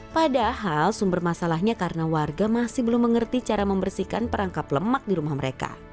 padahal sumber masalahnya karena warga masih belum mengerti cara membersihkan perangkap lemak di rumah mereka